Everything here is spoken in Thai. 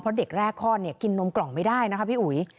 เพราะเด็กแรกข้อนกินนมกล่องไม่ได้นะครับพี่อุ๋ย